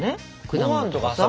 果物とかさ。